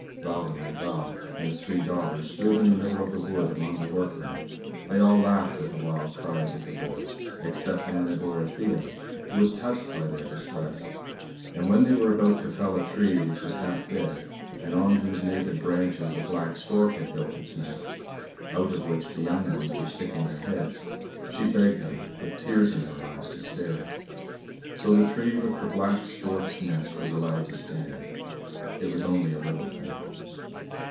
Waldemar Daa and his three daughters stood in the middle of the wood among the workmen. They all laughed at the wild cries of the birds except Anna Dorothea, who was touched by their distress, and when they were about to fell a tree which was half dead, and on whose naked branches a black stork had built its nest, out of which the young ones were sticking their heads, she begged them with tears in her eyes to spare it. So the tree with the black stork's nest was allowed to stand. It was only a little thing.